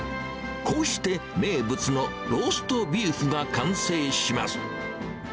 こうして名物のローストビーフが完成します。